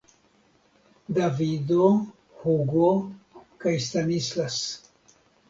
Davido, Hugo kaj Stanislas!